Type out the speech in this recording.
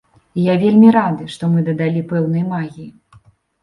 І я вельмі рады, што мы дадалі пэўнай магіі.